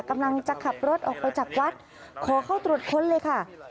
กำลังจะขับรถออกไปจากวัดขอเข้าตรวจค้นเลยค่ะ